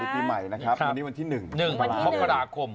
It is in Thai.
วันนี้วันที่๑มกราคม